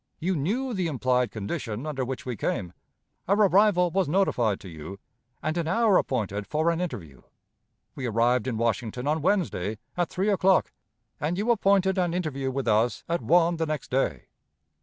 You knew the implied condition under which we came; our arrival was notified to you, and an hour appointed for an interview. We arrived in Washington on Wednesday, at three o'clock, and you appointed an interview with us at one the next day.